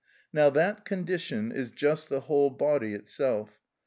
Now that condition is just the whole body itself.